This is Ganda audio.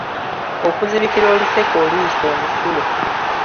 Okuzibikira oluseke oluyisa omusulo.